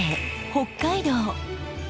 北海道。